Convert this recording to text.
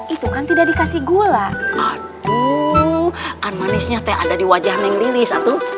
itu kan tidak dikasih gula aduh manisnya teh ada di wajah neng lilis aduh